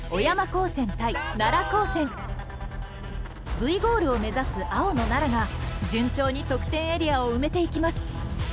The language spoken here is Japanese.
Ｖゴールを目指す青の奈良が順調に得点エリアを埋めていきます。